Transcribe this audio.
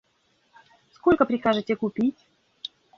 Сколько прикажете купить?